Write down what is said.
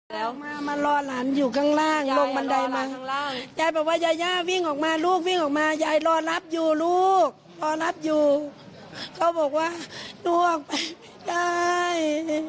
นวกไปไม่ได้